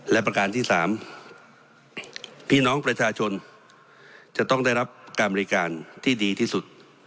และประการที่๓พี่น้องประชาชนจะต้องได้รับการบริการที่ดีที่สุด